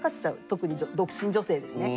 特に独身女性ですね。